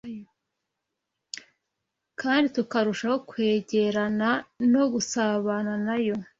kandi tukarushaho kwegerana no gusabana na Yo.